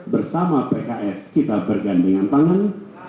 bersama pks kita bergandengan tangan